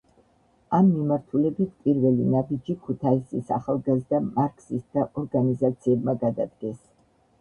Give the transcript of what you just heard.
ამ მიმართულებით პირველი ნაბიჯი ქუთაისის ახალგაზრდა მარქსისტთა ორგანიზაციებმა გადადგეს.